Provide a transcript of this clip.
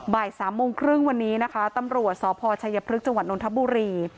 บ่าย๓โมงครึ่งวันนี้นะคะตำรวจสภชพฤษศ์จนทบุรี